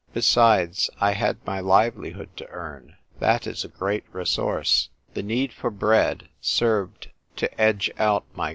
Besides, I had my live lihood to earn. That is a great resource. The need for bread served to edge out my Mm mm k